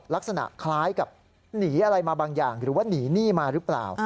ลักษณะคล้ายกับหนีอะไรมาบางอย่างหรือว่าหนีหนี้มาหรือเปล่า